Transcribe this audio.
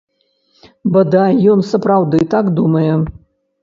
Бадай, ён сапраўды так думае.